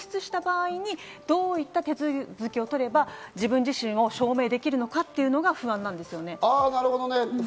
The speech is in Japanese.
これをもし紛失した場合にどういった手続きをとれば、自分自身を証明できるのかっていうのが不安なんですよね。